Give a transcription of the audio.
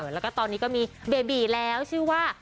แล้วก็ตอนนี้ก็มีเบบีแล้วชื่อว่า